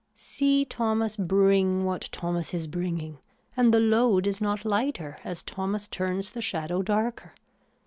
See Thomas bring what Thomas is bringing and the load is not lighter as Thomas turns the shadow darker.